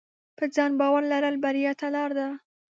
په ځان باور لرل بریا ته لار ده.